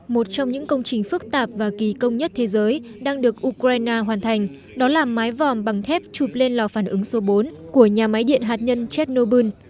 một trong những công trình phức tạp và kỳ công nhất thế giới đang được ukraine hoàn thành đó là mái vòm bằng thép chụp lên lò phản ứng số bốn của nhà máy điện hạt nhân chernobyl